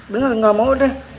bener gak mau deh